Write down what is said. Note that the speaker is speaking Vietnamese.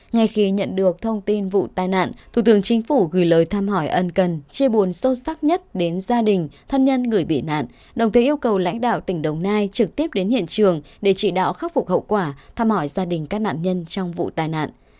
ngay khi nhận được thông tin vụ tai nạn thủ tướng chính phủ gửi lời thăm hỏi ân cần chia buồn sâu sắc nhất đến gia đình thân nhân người bị nạn đồng thời yêu cầu lãnh đạo tỉnh đồng nai trực tiếp đến hiện trường để chỉ đạo khắc phục hậu quả thăm hỏi gia đình các nạn nhân trong vụ tai nạn